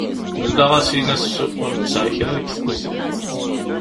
Nella ɣas in-s ur nesεi kra deg tkuzint.